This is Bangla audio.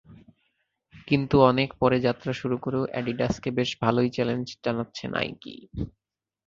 কিন্তু অনেক পরে যাত্রা শুরু করেও অ্যাডিডাসকে বেশ ভালোই চ্যালেঞ্জ জানাচ্ছে নাইকি।